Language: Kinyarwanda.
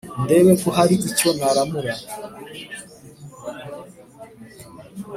ndebe ko hari icyo naramura Ariko